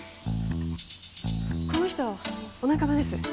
この人お仲間です。